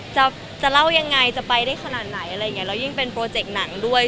จะจะเล่ายังไงจะไปได้ขนาดไหนอะไรอย่างเงี้แล้วยิ่งเป็นโปรเจกต์หนังด้วย